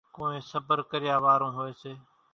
ڪونئين صڀر ڪريا وارون هوئيَ سي۔